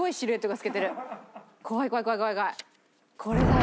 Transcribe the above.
これだよ。